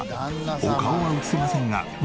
お顔は映せませんが中野アナ